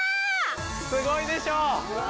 すごいでしょ？